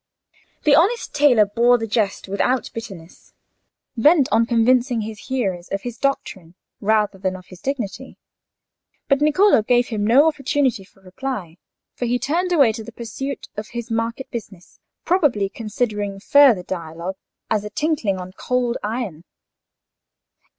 The honest tailor bore the jest without bitterness, bent on convincing his hearers of his doctrine rather than of his dignity. But Niccolò gave him no opportunity for replying; for he turned away to the pursuit of his market business, probably considering further dialogue as a tinkling on cold iron.